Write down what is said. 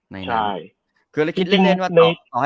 ในร้าน